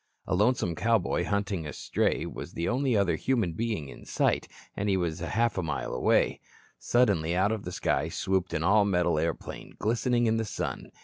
A lonesome cowboy hunting a stray was the only other human being in sight, and he was a half mile away. Suddenly out of the sky swooped an all metal airplane, glistening in the sun.